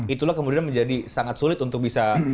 itulah kemudian menjadi sangat sulit untuk bisa